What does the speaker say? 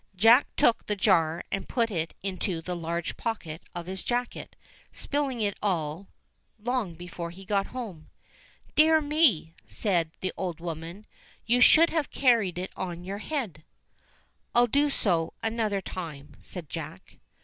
Jack took the jar and put it into the large pocket of his jacket, spilling it all, long before he got home. "Dear me!" said the old woman; "you should have J carried it on your head." \ "I'll do so another time," said Jack.